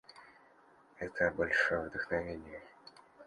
Это — большое вдохновение!